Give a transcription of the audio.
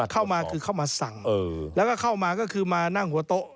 เข้ามาคือเข้ามาสั่งแล้วก็เข้ามาก็คือมานั่งหัวโต๊ะ